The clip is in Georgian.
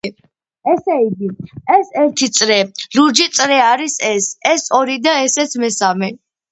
ესე იგი, ეს ერთი წრე, ლურჯი წრე არის ეს, ეს ორი და ესეც მესამე.